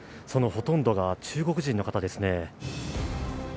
そのほとんどが中国人の方ですね。